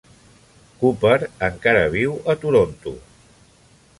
Cooper encara viu a Toronto.